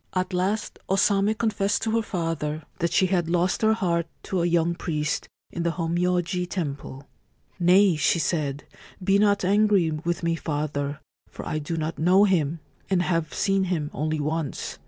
At last O Same confessed to her father that she had 83 Ancient Tales and Folklore of Japan lost her heart to a young priest in the Hommyoji Temple. * Nay,' she said :* be not angry with me, father, for I do not know him, and have seen him only once.